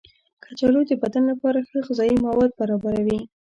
کچالو د بدن لپاره ښه غذايي مواد برابروي.